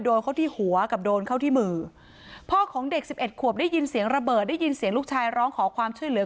เข้าที่หัวกับโดนเข้าที่มือพ่อของเด็กสิบเอ็ดขวบได้ยินเสียงระเบิดได้ยินเสียงลูกชายร้องขอความช่วยเหลือ